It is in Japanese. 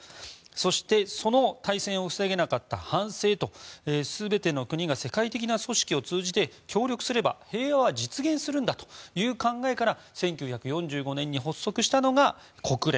そして大戦を防げなかった反省と全ての国が世界的な組織を通じて協力すれば、平和は実現するんだという考えから１９４５年に発足したのが国連。